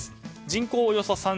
人口およそ３０００人。